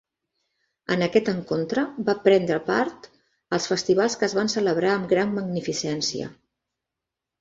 En aquest encontre va prendre part als festivals que es van celebrar amb gran magnificència.